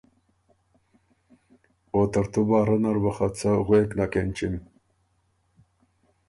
او ترتُو باره نر بُو خه څه غوېک نک اېنچِم۔